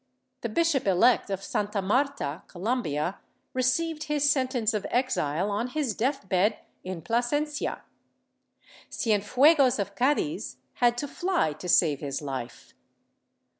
The Bishop elect of Santa Marta (Colombia) received his sentence of exile on his death bed in Plasencia. Cienfuegos of Cadiz had to fly to save his life.